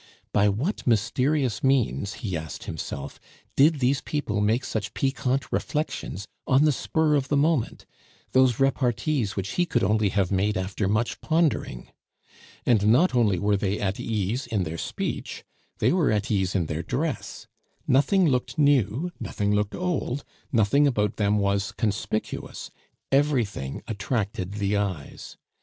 By what mysterious means, he asked himself, did these people make such piquant reflections on the spur of the moment, those repartees which he could only have made after much pondering? And not only were they at ease in their speech, they were at ease in their dress, nothing looked new, nothing looked old, nothing about them was conspicuous, everything attracted the eyes.